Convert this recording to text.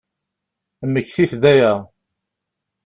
Mmektit-d aya!